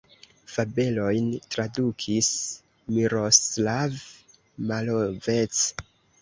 Fabelojn tradukis Miroslav Malovec.